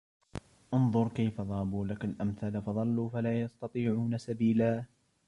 انْظُرْ كَيْفَ ضَرَبُوا لَكَ الْأَمْثَالَ فَضَلُّوا فَلَا يَسْتَطِيعُونَ سَبِيلًا